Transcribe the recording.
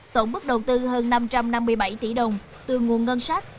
tổng bức đầu tư hơn năm trăm năm mươi bảy tỷ đồng từ nguồn ngân sách